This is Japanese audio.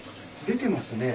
出てますね。